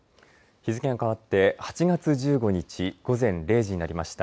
日付がかわって８月１５日午前０時になりました。